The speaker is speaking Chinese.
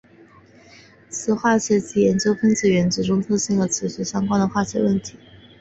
磁化学即研究分子原子中特性与磁学相关的化学问题。